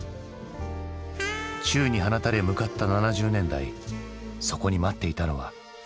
宙に放たれ向かった７０年代そこに待っていたのは？